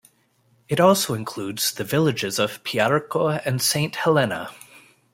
It also includes the villages of Piarco and Saint Helena.